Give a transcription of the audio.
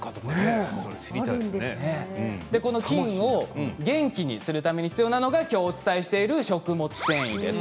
菌を元気にするために必要なのが今日お伝えしている食物繊維です。